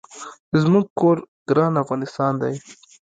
زمونږ کور ګران افغانستان دي